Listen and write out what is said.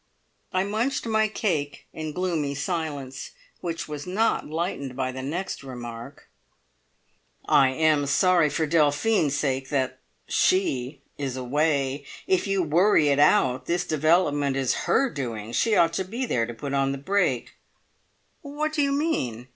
I munched my cake in gloomy silence, which was not lightened by the next remark. "I'm sorry for Delphine's sake that she is away! If you worry it out, this development is her doing. She ought to be there to put on the brake!" "What do you mean?